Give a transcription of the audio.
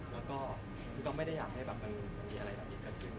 และก็ไม่ได้อยากให้แค่บ้างมีอะไรอยากจะเกิดขึ้น